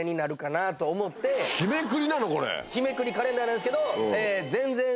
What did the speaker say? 日めくりカレンダーなんですけど。